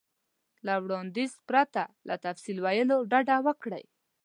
له وړاندیز پرته له تفصیل ویلو ډډه وکړئ.